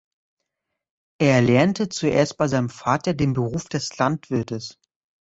Er lernte zuerst bei seinem Vater den Beruf des Landwirtes.